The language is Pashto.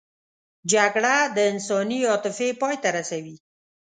جګړه د انساني عاطفې پای ته رسوي